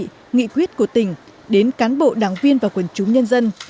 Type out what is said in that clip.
các chỉ thi nghị quyết của tỉnh đến cán bộ đảng viên và quần chúng nhân dân